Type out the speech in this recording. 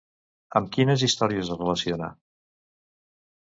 Amb quines històries es relaciona?